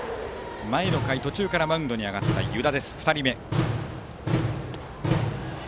４回途中からマウンドに上がった湯田。